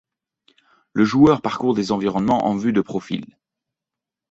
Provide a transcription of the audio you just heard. Le joueur parcourt des environnements en vue de profil.